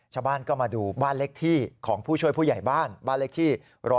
ชาวบ้านก็มาดูบ้านเล็กที่ของผู้ช่วยผู้ใหญ่บ้านบ้านเลขที่๑๐